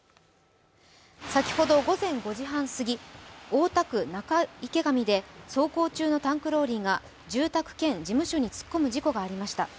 先ほど午前５時半すぎ大田区仲池上で走行中のタンクローリーが住宅兼事務所に突っ込む事故がありました。